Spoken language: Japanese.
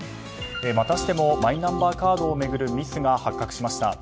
またしてもマイナンバーカードを巡るミスが発覚しました。